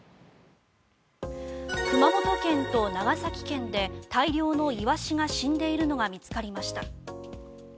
熊本県と長崎県で大量のイワシが死んでいるのが見つかりました。